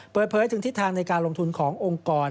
เปิดเผยถึงทิศทางในการลงทุนขององค์กร